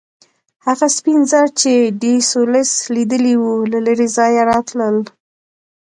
هغه سپین زر چې ډي سولس لیدلي وو له لرې ځایه راتلل.